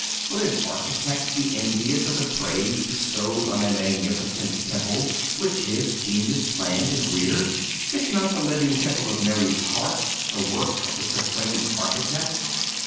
Will an architect be envious of the praise bestowed on a magnificent temple which his genius planned and reared? Is not the living temple of Mary's heart the work of the Supreme Architect?